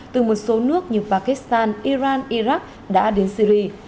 từ một số nước như pakistan iran iraq đã đến syri